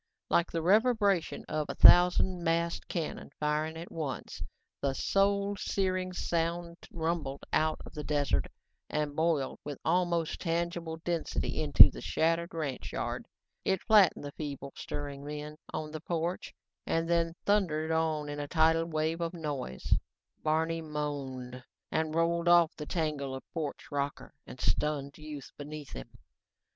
Like the reverberation of a thousand massed cannon firing at once, the soul searing sound rumbled out of the desert and boiled with almost tangible density into the shattered ranch yard. It flattened the feebly stirring men on the porch and then thundered on in a tidal wave of noise. Barney moaned and rolled off the tangle of porch rocker and stunned youth beneath him.